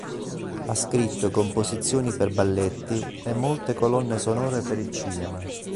Ha scritto composizioni per balletti e molte colonne sonore per il cinema.